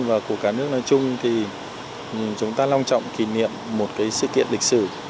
và của cả nước nói chung thì chúng ta long trọng kỷ niệm một sự kiện lịch sử